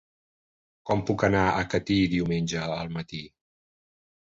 Com puc anar a Catí diumenge al matí?